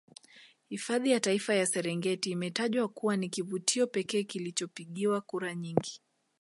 Hifadhi ya Taifa ya Serengeti imetajwa kuwa ni kivutio pekee kilichopigiwa kura nyingi